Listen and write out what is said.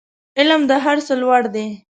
علم د هر څه لوړ دی